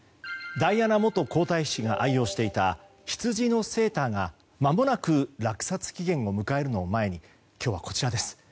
ダイアナ元皇太子妃が愛用していたヒツジのセーターが、まもなく落札期限を迎えるのを前に今日はこちらです。